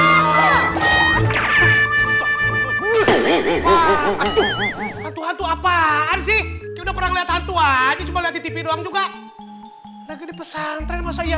setelah itu apaan sih udah pernah lihat hantu aja cuma tipe doang juga pesantren masa ia